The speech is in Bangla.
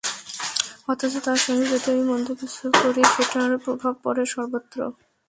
অথচ তাঁর সঙ্গে যদি আমি মন্দ কিছু করি সেটার প্রভাব পড়ে সর্বত্র।